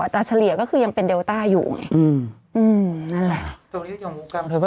เฉลี่ยก็คือยังเป็นเดลต้าอยู่ไงนั่นแหละ